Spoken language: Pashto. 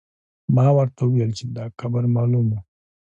ما ورته وویل چې دا قبر معلوم و.